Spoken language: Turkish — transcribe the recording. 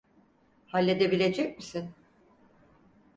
Halledebilecek misin?